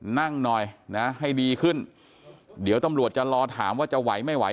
นั่งหน่อยนะให้ดีขึ้นเดี๋ยวตำรวจจะรอถามว่าจะไหวไม่ไหว